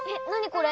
これ。